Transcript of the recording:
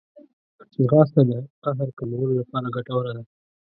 ځغاسته د قهر کمولو لپاره ګټوره ده